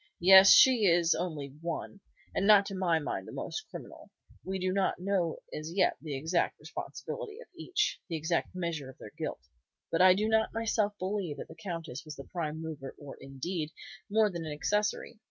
Yes, she is only one, and not to my mind the most criminal. We do not know as yet the exact responsibility of each, the exact measure of their guilt; but I do not myself believe that the Countess was a prime mover, or, indeed, more than an accessory.